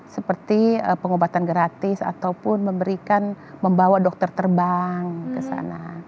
seperti pengobatan gratis ataupun memberikan membawa dokter terbang ke sana